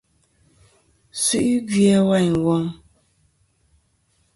Su'i gvi a wayn wom.